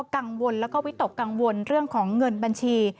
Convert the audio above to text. กังวลแล้วก็วิตกกังวลเรื่องของเงินบัญชี